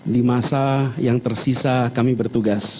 di masa yang tersisa kami bertugas